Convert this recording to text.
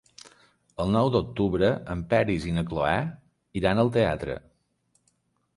El nou d'octubre en Peris i na Cloè iran al teatre.